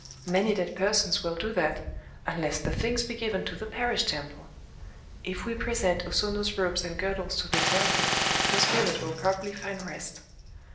Many dead persons will do that,—unless the things be given to the parish temple. If we present O Sono's robes and girdles to the temple, her spirit will probably find rest."